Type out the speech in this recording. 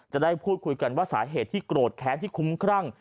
จะได้พูดคุยกันว่าสาเหตุที่โกรธแค้นที่คุ้มครั่ง